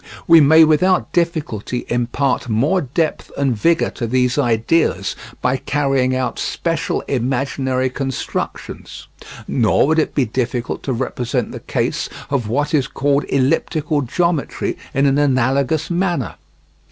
We may without difficulty impart more depth and vigour to these ideas by carrying out special imaginary constructions. Nor would it be difficult to represent the case of what is called elliptical geometry in an analogous manner.